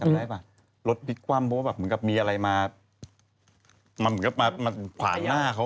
จำได้ป่ะรถพลิกความเพราะว่ามีอะไรมาผ่านหน้าเขา